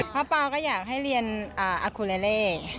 พ่อป่าก็อยากให้เรียนอคคูเลเร